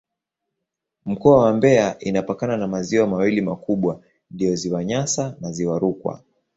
Mkoa wa Mbeya inapakana na maziwa mawili makubwa ndiyo Ziwa Nyasa na Ziwa Rukwa.